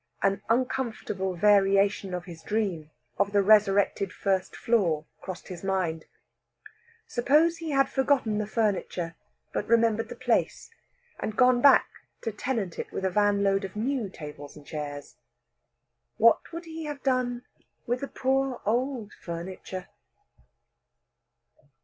An uncomfortable variation of his dream of the resurrected first floor crossed his mind. Suppose he had forgotten the furniture, but remembered the place, and gone back to tenant it with a van load of new chairs and tables. What would he have done with the poor old furniture?